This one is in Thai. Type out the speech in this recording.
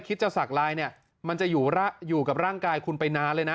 คิดจะสักลายเนี่ยมันจะอยู่กับร่างกายคุณไปนานเลยนะ